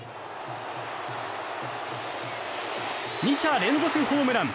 ２者連続ホームラン！